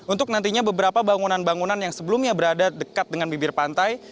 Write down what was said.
untuk nantinya beberapa bangunan bangunan yang sebelumnya berada dekat dengan bibir pantai